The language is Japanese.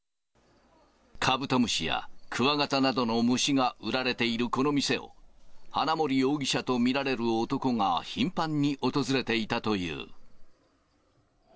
カブトムシやクワガタなどの虫が売られているこの店を、花森容疑者と見られる男が頻繁に訪れていたという。